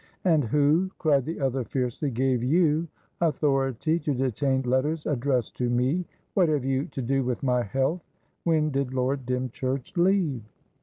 "And who," cried the other fiercely, "gave you authority to detain letters addressed to me? What have you to do with my health? When did Lord Dymchurch leave?"